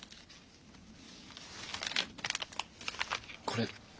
これ。